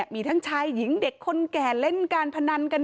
มีทั้งชายหญิงเด็กคนแก่เล่นการพนันกัน